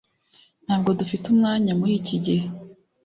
Ntabwo dufite umwanya muri iki gihe.